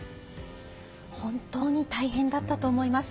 本当に大変だったと思います。